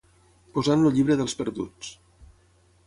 Posar en el llibre dels perduts.